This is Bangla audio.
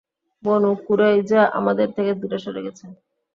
বনু কুরাইজা আমাদের থেকে দূরে সরে গেছে।